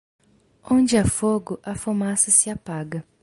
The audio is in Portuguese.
Onde há fogo, a fumaça se apaga.